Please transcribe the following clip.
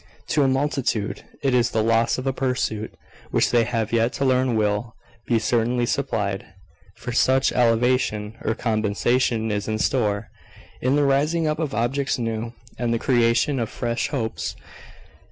To a multitude it is the loss of a pursuit which they have yet to learn will be certainly supplied. For such, alleviation or compensation is in store, in the rising up of objects new, and the creation of fresh hopes.